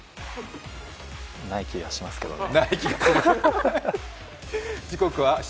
ない気がしますけどね。